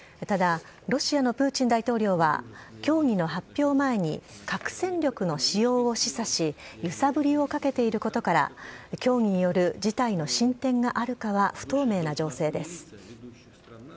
ただロシアのプーチン大統領は、協議の発表前に、核戦力の使用を示唆し、揺さぶりをかけていることから、協議による事態の進展があるかは不透明な情勢です。